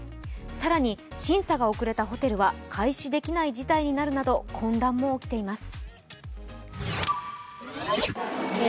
更に審査が遅れたホテルは開始できない事態になるなど混乱も起きています。